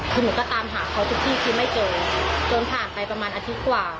คือหนูก็ตามหาเขาทุกที่คือไม่เจอจนผ่านไปประมาณอาทิตย์กว่า